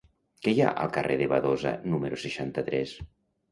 Què hi ha al carrer de Badosa número seixanta-tres?